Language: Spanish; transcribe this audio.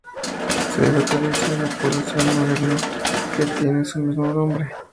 Se localiza en la población moderna que tiene su mismo nombre.